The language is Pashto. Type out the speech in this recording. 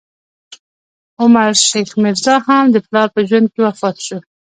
عمر شیخ میرزا، هم د پلار په ژوند کې وفات شو.